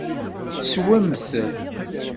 Sswen-t.